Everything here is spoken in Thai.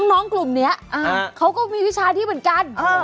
น้องกลุ่มนี้เขาก็มีวิชาที่เหมือนกัน